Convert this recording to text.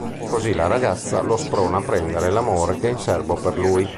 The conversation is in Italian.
Così la ragazza lo sprona a prendere l'amore che ha in serbo per lui.